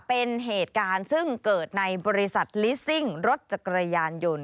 เป็นเหตุการณ์ซึ่งเกิดในบริษัทลิสซิ่งรถจักรยานยนต์